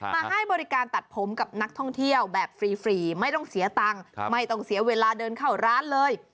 ให้บริการตัดผมกับนักท่องเที่ยวแบบฟรีไม่ต้องเสียตังค์ไม่ต้องเสียเวลาเดินเข้าร้านเลย